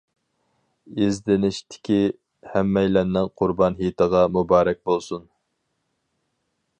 ئىزدىنىشتىكى ھەممەيلەننىڭ قۇربان ھېيتىغا مۇبارەك بولسۇن.